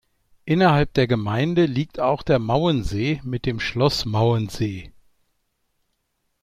Innerhalb der Gemeinde liegt auch der Mauensee mit dem "Schloss Mauensee".